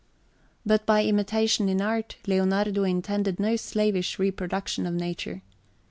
But by imitation in art, Leonardo intended no slavish reproduction of nature.